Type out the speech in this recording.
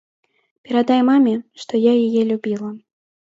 Перадай маме, што я яе любіла.